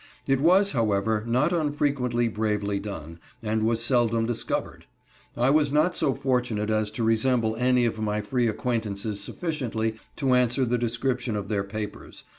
It was, however, not unfrequently bravely done, and was seldom discovered. I was not so fortunate as to resemble any of my free acquaintances sufficiently to answer the description of their papers.